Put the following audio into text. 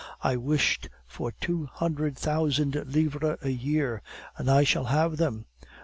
I wished for two hundred thousand livres a year, and I shall have them.